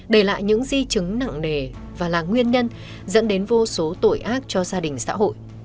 để lại những di chứng nặng nề và là nguyên nhân dẫn đến vô số tội ác cho gia đình xã hội